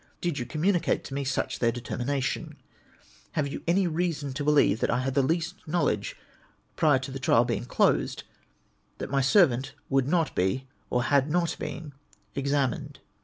Did you communicate to me such their determina tion ? Have 3^ou any reason to Ijelieve that I had the least knowledge, prior to the trial Ijeing closed, that my servant would not be, or had not been, examined